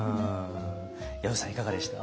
薮さんいかがでした？